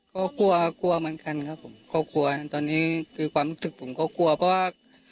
ก็กลัวกลัวเหมือนกันครับผมก็กลัวตอนนี้คือความรู้สึกผมก็กลัวเพราะว่า